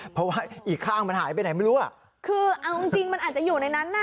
เพราะว่าอีกข้างมันหายไปไหนไม่รู้อ่ะคือเอาจริงจริงมันอาจจะอยู่ในนั้นน่ะ